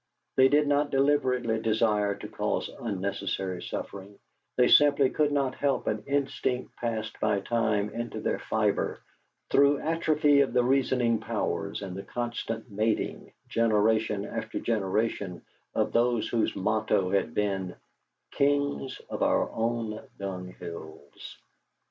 They did not deliberately desire to cause unnecessary suffering; they simply could not help an instinct passed by time into their fibre, through atrophy of the reasoning powers and the constant mating, generation after generation, of those whose motto had been, "Kings of our own dunghills."